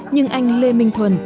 nhưng anh lê minh thuần